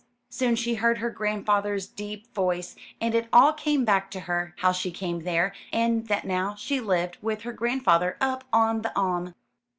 Soon she heard her grandfather's deep voice, and it all came back to her; how she came there, and that now she lived with her grandfather up on the Aim.